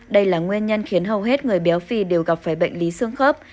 đây là nguyên nhân khiến hầu hết người béo phì đều gặp phải bệnh lý xương khớp